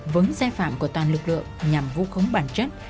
với sai phạm của toàn lực lượng nhằm vô khống bản chất